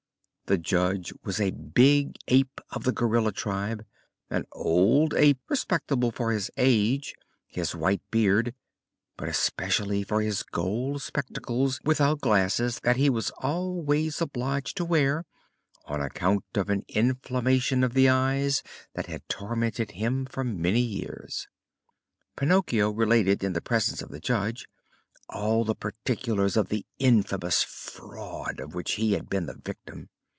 The judge was a big ape of the gorilla tribe, an old ape respectable for his age, his white beard, but especially for his gold spectacles without glasses that he was always obliged to wear, on account of an inflammation of the eyes that had tormented him for many years. Pinocchio related in the presence of the judge all the particulars of the infamous fraud of which he had been the victim.